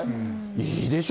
いいでしょ？